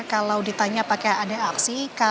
kalau ditanya apakah ada aksi